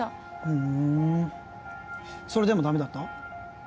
ふんそれでもダメだった？